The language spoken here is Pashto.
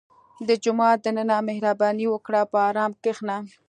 • د جومات دننه مهرباني وکړه، په ارام کښېنه.